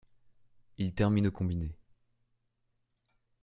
Ils terminent au combiné.